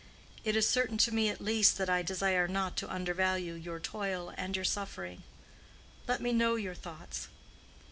It is certain to me at least that I desire not to undervalue your toil and your suffering. Let me know your thoughts.